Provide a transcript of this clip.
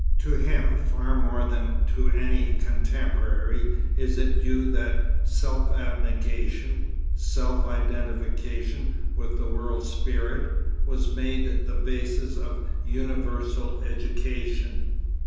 To him far more than to any contemporary is it due that self abnegation, self identification with the world spirit, was made the basis of universal education.